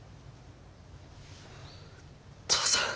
父さん。